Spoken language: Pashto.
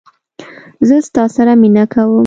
زه ستا سره مینه کوم